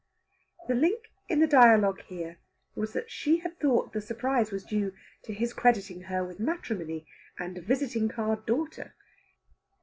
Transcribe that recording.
The link in the dialogue here was that she had thought the surprise was due to his crediting her with matrimony and a visiting card daughter.